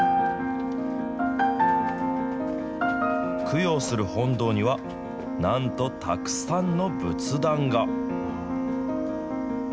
供養する本堂には、なんとたくさんの仏壇が。